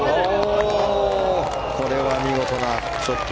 これは見事なショット。